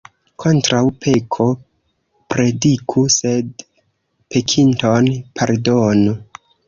Kontraŭ peko prediku, sed pekinton pardonu.